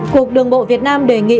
cuộc đường bộ việt nam đề nghị